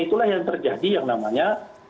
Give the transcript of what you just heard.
itulah yang terjadi yang namanya